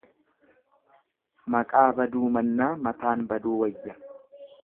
Maqaa baduu mannaa mataan baduu wayya.